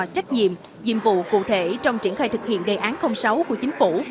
trách nhiệm nhiệm vụ cụ thể trong triển khai thực hiện đề án sáu của chính phủ